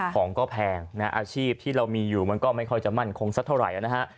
ของก็แพงนะอาชีพที่เรามีอยู่มันก็ไม่ค่อยจะมั่นคงสักเท่าไหร่นะฮะ